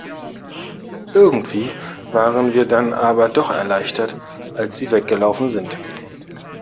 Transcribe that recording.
Irgendwie waren wir dann aber doch erleichtert, als sie weg gelaufen sind.